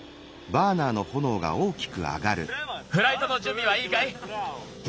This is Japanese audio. フライトのじゅんびはいいかい？